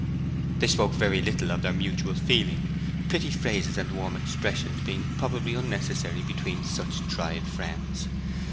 They spoke very little of their mutual feeling; pretty phrases and warm expressions being probably unnecessary between such tried friends.